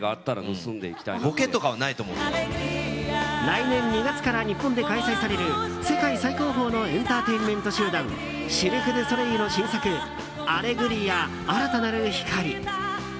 来年２月から日本で開催される世界最高峰のエンターテインメント集団シルク・ドゥ・ソレイユの新作「アレグリア‐新たなる光‐」。